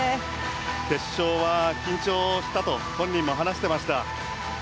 決勝は緊張をしたと本人も話してました。